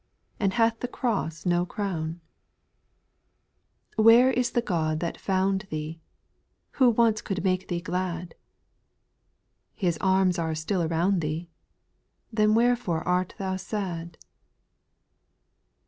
And hath the cross no crown ? 2. Where is the God that found thee, Who once could make thee glad ? His arms are still around thee ; Then wherefore art thou sad